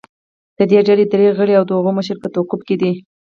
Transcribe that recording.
د دې ډلې درې غړي او د هغو مشر په توقیف کې دي